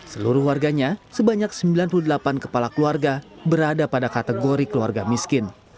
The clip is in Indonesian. seluruh warganya sebanyak sembilan puluh delapan kepala keluarga berada pada kategori keluarga miskin